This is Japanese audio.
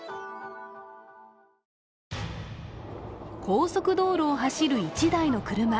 高速道路を走る１台の車。